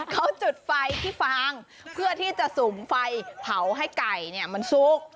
เขาจุดไฟที่ฟางเพื่อที่จะสุ่มไฟเผาให้ไก่เนี่ยมันซุก